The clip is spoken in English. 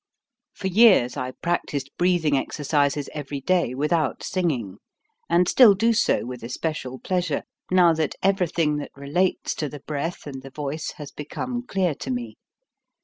For years I practised breathing exercises every day without singing, and still do so with especial pleasure, now that every thing that relates to the breath and the voice has become clear to me.